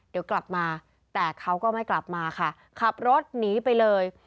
เดี๋ยวกลับมาแต่เขาก็ไม่กลับมาค่ะขับรถหนีไปเลย